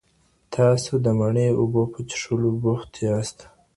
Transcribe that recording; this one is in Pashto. تاسو د مڼې اوبو په څښلو بوخت یاست.